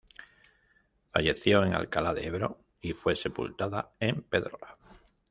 Falleció en Alcalá de Ebro y fue sepultada en Pedrola.